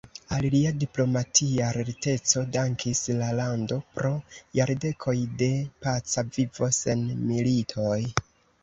Al lia diplomatia lerteco dankis la lando pro jardekoj de paca vivo sen militoj.